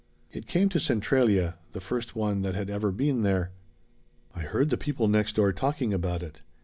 "It came to Centralia the first one that had ever been there. I heard the people next door talking about it.